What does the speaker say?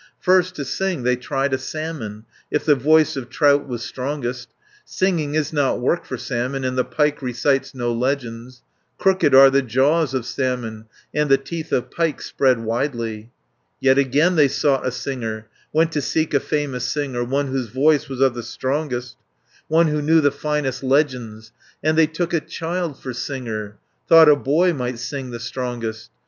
530 First to sing they tried a salmon, If the voice of trout was strongest; Singing is not work for salmon, And the pike recites no legends. Crooked are the jaws of salmon, And the teeth of pike spread widely. Yet again they sought a singer, Went to seek a famous singer, One whose voice was of the strongest, One who knew the finest legends, 540 And they took a child for singer, Thought a boy might sing the strongest.